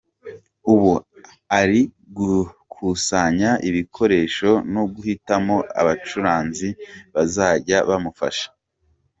Ubu ari gukusanya ibikoresho no guhitamo abacuranzi bazajya bamufasha.